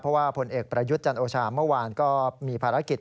เพราะว่าผลเอกประยุทธ์จันโอชาเมื่อวานก็มีภารกิจ